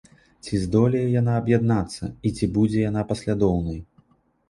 Ці здолее яна аб'яднацца і ці будзе яна паслядоўнай?